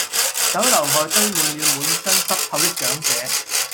酒樓外堆滿了滿身濕透的長者